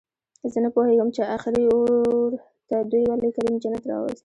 زه نپوهېږم چې اخري اوور ته دوئ ولې کریم جنت راووست